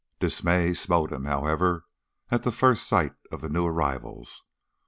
Dismay smote him, however, at first sight of the new arrivals.